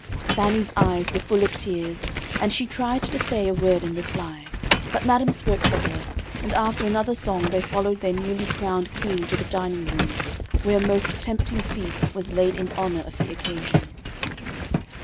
Fannie's eyes were full of tears, and she tried to say a word in reply, but madam spoke for her, and after another song, they followed their newly crowned queen to the dining room, where a most tempting feast was laid in honor of the occasion.